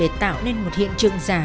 để tạo nên một hiện trường giả